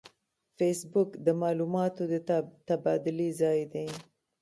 فېسبوک د معلوماتو د تبادلې ځای دی